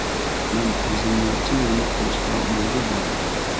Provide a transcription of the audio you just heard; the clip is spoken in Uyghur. مەن ئاغزىمنى چىڭ يۇمۇپ تۇرۇشقا مەجبۇر بولدۇم.